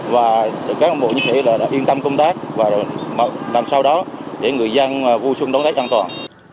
và các ông bộ chiến sĩ đã yên tâm công tác và làm sao đó để người dân vui xuân đón tết an toàn